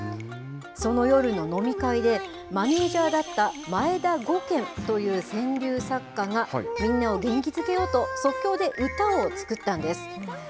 その夜の飲み会で、マネージャーだった前田伍健という川柳作家が、みんなを元気づけようと、即興で歌を作ったんです。